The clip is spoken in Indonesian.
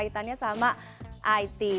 penelitiannya sama it